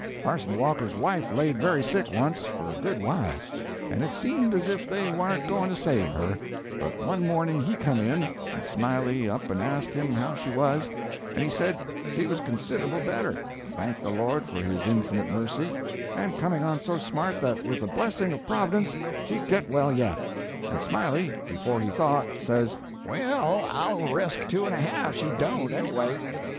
Parson Walker's wife laid very sick once, for a good while, and it seemed as if they warn't going to save her; but one morning he come in, and Smiley up and asked him how she was, and he said she was considerable better thank the Lord for his inf'nite mercy and coming on so smart that with the blessing of Prov'dence she'd get well yet; and Smiley, before he thought, says, 'Well, I'll resk two and a half she don't anyway.'